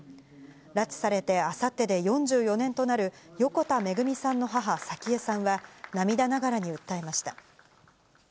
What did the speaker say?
拉致されてあさってで４４年となる、横田めぐみさんの母、早紀江さんは、涙ながらに訴えました。